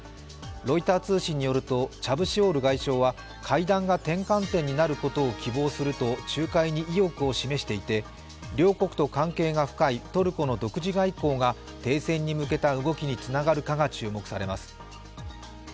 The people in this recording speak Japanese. ロイター通信によるとチャブシオール外相は会談が転換点になることを希望すると仲介に意欲を示していて、両国と関係が深いトルコの独自外交が停戦に向けた動きにつながるかが注目されます。